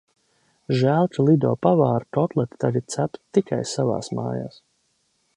Žēl, ka Lido pavāri kotleti tagad cep tikai savās mājās.